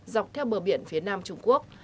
dọc theo bờ biển phía nam trung quốc